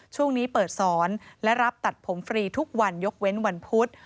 ช่วงนี้เปิดสอนและรับตัดผมฟรีทุกวันยกเว้นวันพุธ